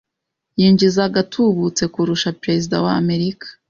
Yinjiza agatubutse kurusha Perezida wa Amerika